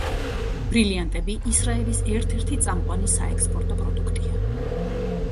ბრილიანტები ისრაელის ერთ-ერთი წამყვანი საექსპორტო პროდუქტია.